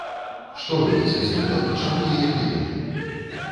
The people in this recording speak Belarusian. Што гэта за істота і чаму яе клікалі?